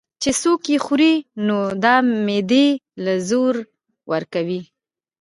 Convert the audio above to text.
چې څوک ئې خوري نو دا معدې له زور ورکوي